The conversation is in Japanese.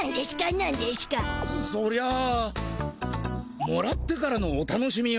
そりゃもらってからのお楽しみよ。